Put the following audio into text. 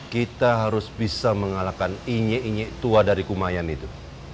kita harus bisa mengalahkan inyek inyek tua dari kumayan itu